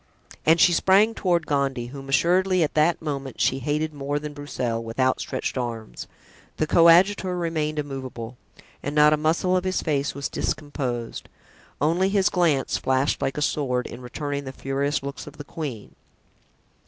And she sprang toward Gondy, whom assuredly at that moment she hated more than Broussel, with outstretched arms. The coadjutor remained immovable and not a muscle of his face was discomposed; only his glance flashed like a sword in returning the furious looks of the queen.